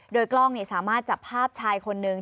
โดยกล้องสามารถจับภาพชายคนนึง